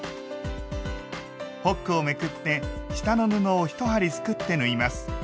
ホックをめくって下の布を１針すくって縫います。